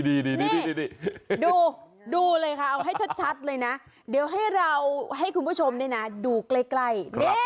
นี่ดูเลยค่ะเอาให้ชัดเลยนะเดี๋ยวให้เราให้คุณผู้ชมดูใกล้